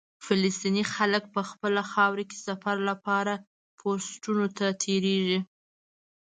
فلسطیني خلک په خپله خاوره کې سفر لپاره پوسټونو ته تېرېږي.